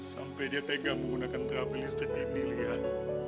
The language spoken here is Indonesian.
sampai dia tegang menggunakan terapi listrik ini liat